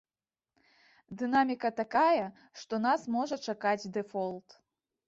Дынаміка такая, што нас можа чакаць дэфолт.